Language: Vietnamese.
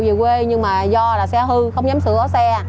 về quê nhưng mà do là xe hư không dám sửa xe